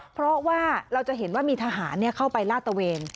เพราะว่าเราจะเห็นว่ามีทหารเข้าไปลาดตะเวน